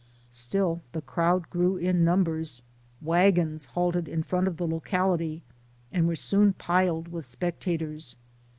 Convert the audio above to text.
Still the crowd grew in numbers. Wagons halted in front of the locality, and were soon piled with spectators.